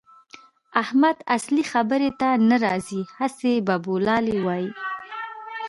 احمد اصلي خبرې ته نه راځي؛ هسې بابولالې وايي.